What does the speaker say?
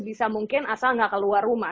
bisa mungkin asal nggak keluar rumah